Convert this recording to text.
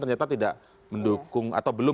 ternyata tidak mendukung atau belum